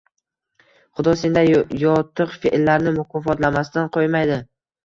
Xudo senday yotiqfe’llarni mukofotlamasdan qo‘ymaydi